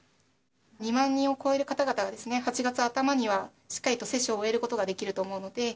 ２万人を超える方々がですね、８月頭にはしっかりと接種を終えることができると思うので。